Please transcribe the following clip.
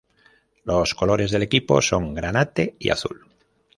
Los colores del equipo son granate y azul.